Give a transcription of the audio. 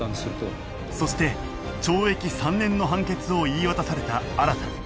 そして懲役３年の判決を言い渡された新